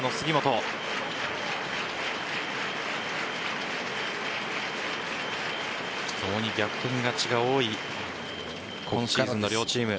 ともに逆転勝ちが多い今シーズンの両チーム。